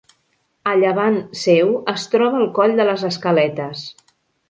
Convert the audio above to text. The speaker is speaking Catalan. A llevant seu es troba el coll de les Escaletes.